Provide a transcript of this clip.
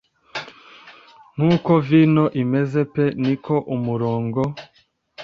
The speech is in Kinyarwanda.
Nkuko vino imeze pe niko umurongo